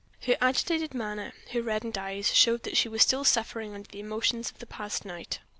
Her agitated manner, her reddened eyes, showed that she was still suffering under the emotions of the past night.